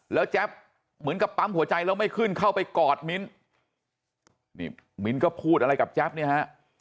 แล้วแจ๊บเหมือนกับปั๊มหัวใจแล้วไม่ขึ้นเข้าไปกอดมิ้นนี่มิ้นก็พูดอะไรกับแจ๊บเนี่ยฮะ